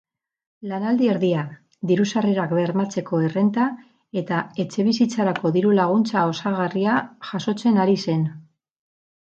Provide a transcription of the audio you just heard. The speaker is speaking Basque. Lanaldi erdia, diru-sarrerak bermatzeko errenta eta etxebizitzarako diru-laguntza osagarria jasotzen ari zen.